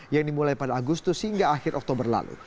yang dimulai pada agustus hingga akhir oktober lalu